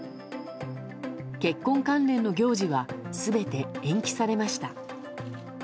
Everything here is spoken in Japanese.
結婚関連の行事は全て延期されました。